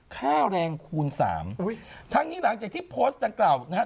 ข้าวแรงคูณสามทั้งนี้หลังจากที่โพสต์ดังกล่าวนะครับ